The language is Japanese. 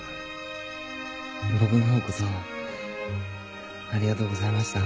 僕のほうこそありがとうございました。